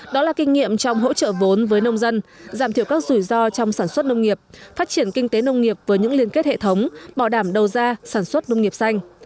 đó là kinh nghiệm trong hỗ trợ vốn với nông dân giảm thiểu các rủi ro trong sản xuất nông nghiệp phát triển kinh tế nông nghiệp với những liên kết hệ thống bảo đảm đầu ra sản xuất nông nghiệp xanh